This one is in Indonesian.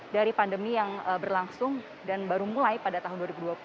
dari pandemi yang berlangsung dan baru mulai pada tahun dua ribu dua puluh